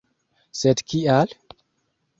Sed kial?